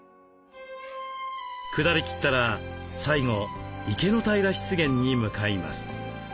くだりきったら最後池の平湿原に向かいます。